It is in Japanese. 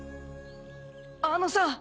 あのさ。